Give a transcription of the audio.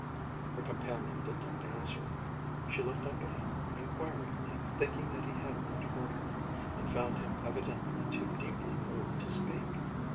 Her companion did not answer. She looked up at him, inquiringly, thinking that he had not heard her, and found him evidently too deeply moved to speak.